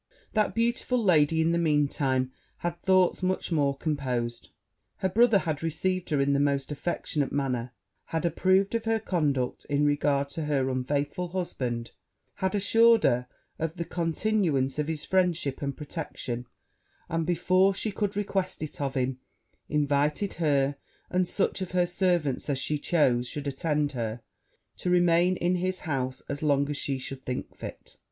That beautiful lady, in the mean time, had thoughts much more composed; her brother had received her in the most affectionate manner had approved her conduct in regard to her unfaithful husband had assured her of the continuance of his friendship and protection; and, before she could request it of him, invited her, and such of her servants as she chose should attend her, to remain in his house as long as she should think fit.